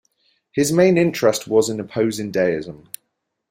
His main interest was in opposing deism.